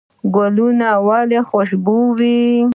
ګلونه ولې خوشبویه وي؟